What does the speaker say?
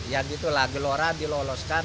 ya gitu lah gelora diloloskan